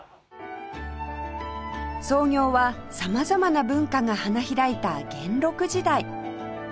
創業は様々な文化が花開いた元禄時代